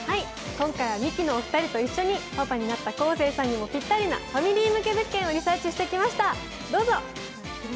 今回はミキのお二人と一緒に、パパになった昴生さんにもぴったりなファミリー向け物件をリサーチしてきました。